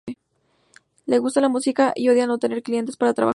Les gusta la música y odian no tener clientes para trabajar.